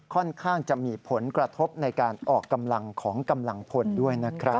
ค่อนข้างจะมีผลกระทบในการออกกำลังของกำลังพลด้วยนะครับ